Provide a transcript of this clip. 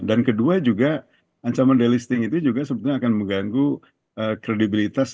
dan kedua juga ancaman delisting itu juga sebetulnya akan mengganggu kredibilitas